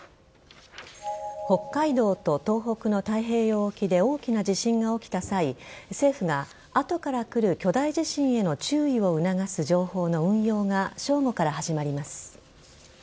北海道と東北の太平洋沖で大きな地震が起きた際政府が後から来る巨大地震への注意を促す情報の運用が正午から始まります。